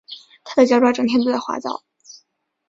它的脚爪整天都在滑倒